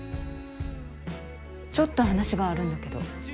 ちょっと話があるんだけど。